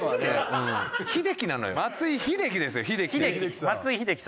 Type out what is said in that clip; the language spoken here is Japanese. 松井秀喜ですよ秀喜。